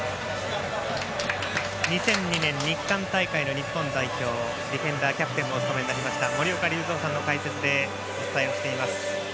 ２００２年、日韓大会の日本代表ディフェンダー、キャプテンをお務めになりました森岡隆三さんの解説でお伝えしています。